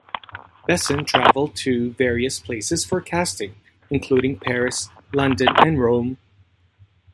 Besson traveled to various places for casting, including Paris, London and Rome.